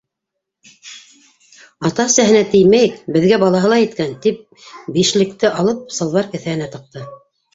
- Ата-әсәһенә теймәйек, беҙгә балаһы ла еткән, - тип бишлекте алып салбар кеҫәһенә тыҡты.